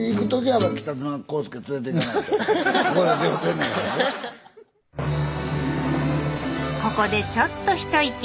ここでちょっと一息。